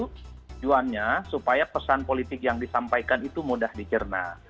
tujuannya supaya pesan politik yang disampaikan itu mudah dicerna